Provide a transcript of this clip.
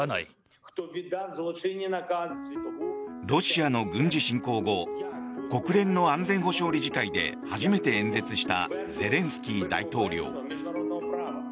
ロシアの軍事侵攻後国連の安全保障理事会で初めて演説したゼレンスキー大統領。